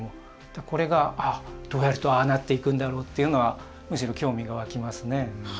これが、あっ、どうやるとああなっていくんだろうというのはむしろ興味が湧きますね。